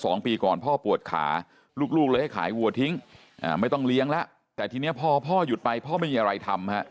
ตรงนี้ก็ไม่เกี่ยวกันหรอก